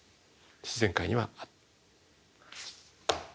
自然界にはある。